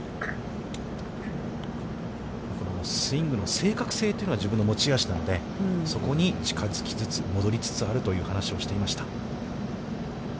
このスイングの正確性というのが自分の持ち味なので、そこに近づきつつ、戻りつつあるという話をしていました。